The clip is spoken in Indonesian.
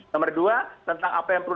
nomor dua tentang apa yang perlu